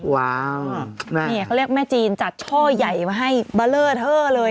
ว้าวแม่นี่เขาเรียกแม่จีนจัดช่อใหญ่มาให้เบลอเท่าเลย